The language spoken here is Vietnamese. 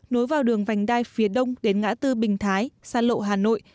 nối vào đường vành đai phía đông đến ngã tư bình thái sa lộ hà nội